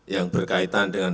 yang berkaitan dengan